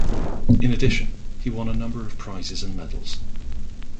In addition, he won a number of prizes and medals.